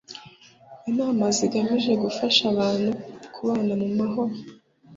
inama zigamije gufasha abantu kubana mu mahoro